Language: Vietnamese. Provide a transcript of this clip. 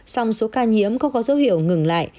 xong số ca nhiễm có có dấu hiệu ngừng lại